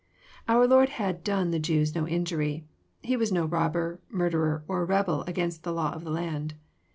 Our Lord had done the Jews no injury. He was no robber, murderer, or rebel against the law of the land.